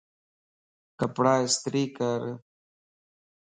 ڪپڙا استري ڪَر